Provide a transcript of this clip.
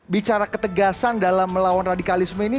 bicara ketegasan dalam melawan radikalisme ini